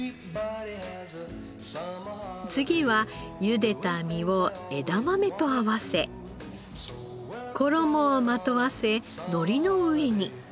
次はゆでた実を枝豆と合わせ衣をまとわせ海苔の上に。